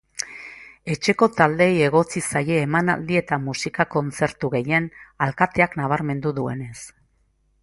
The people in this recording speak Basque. Etxeko taldeei egotzi zaie emanaldi eta musika kontzertu gehien, alkateak nabarmendu duenez.